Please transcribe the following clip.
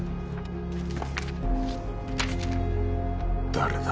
誰だ？